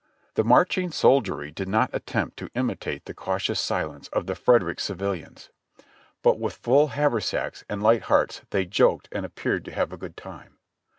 The marching soldiery did not attempt to imitate the can i THE CAMPAIGN OUTLINED 2/9 tious silence of the Frederick civilians, but with full haversacks and light hearts they joked and appeared to have a good time.